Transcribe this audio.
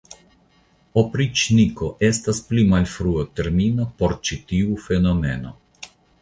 Opriĉniko estas pli malfrua termino por ĉi tiu fenomeno.